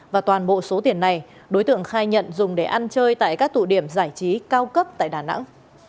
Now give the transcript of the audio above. và toàn bộ số tiền này đối tượng khai nhận dùng để ăn chơi tại các tụ điểm giải trí cao cấp tại đà nẵng